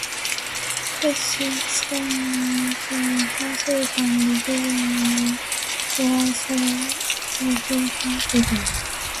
Perseus slew Medusa in her sleep, and Pegasus and Chrysaor appeared from her body.